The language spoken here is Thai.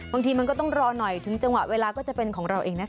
บางทีมันก็ต้องรอหน่อยถึงจังหวะเวลาก็จะเป็นของเราเองนะคะ